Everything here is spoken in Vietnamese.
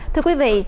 thưa quý vị